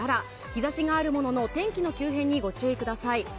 日差しはあるものの天気の急変にご注意ください。